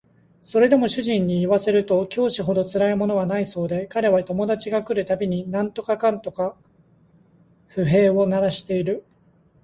それでも主人に言わせると教師ほどつらいものはないそうで彼は友達が来る度に何とかかんとか不平を鳴らしている